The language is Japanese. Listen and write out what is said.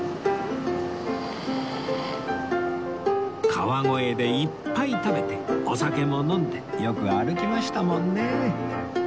川越でいっぱい食べてお酒も飲んでよく歩きましたもんね